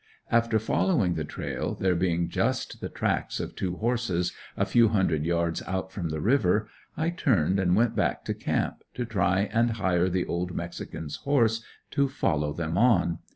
After following the trail, there being just the tracks of two horses, a few hundred yards out from the river I turned and went back to camp, to try and hire the old mexican's horse to follow them on.